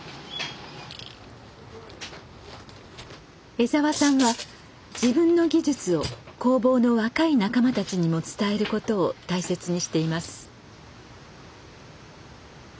江澤さんは自分の技術を工房の若い仲間たちにも伝えることを大切にしています。